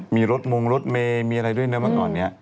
มีรถมงรถเมมีอะไรด้วยเนอะมาก่อนนี้